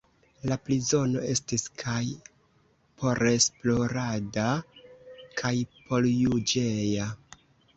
La prizono estis kaj poresplorada kaj porjuĝeja.